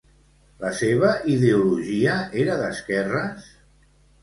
La seva ideologia era d'esquerres?